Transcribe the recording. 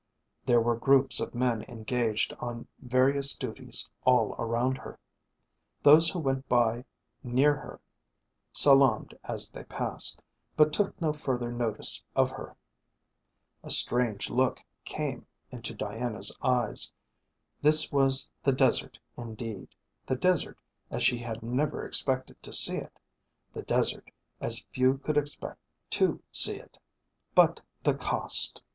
There were groups of men engaged on various duties all around her. Those who went by near her salaamed as they passed, but took no further notice of her. A strange look came into Diana's eyes. This was the desert indeed, the desert as she had never expected to see it, the desert as few could expect to see it. But the cost!